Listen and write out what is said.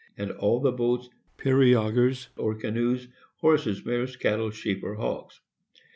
and all the boats, periaugers, or canoes, horses, mares, cattle, sheep or hogs.